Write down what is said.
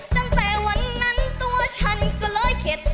ตั้งแต่วันนั้นตัวฉันก็เลยเข็ด